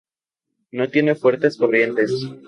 No tiene fuertes corrientes.